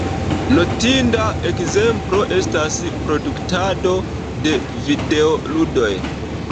Notinda ekzemplo estas produktado de videoludoj.